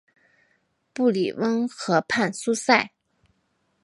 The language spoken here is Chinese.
布里翁河畔苏塞。